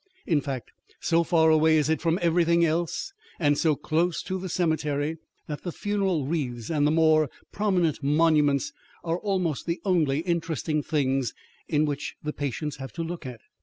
In fact, so far away is it from everything else and so close to the cemetery that the funeral wreaths and the more prominent monuments are almost the only interesting things which the patients have to look at.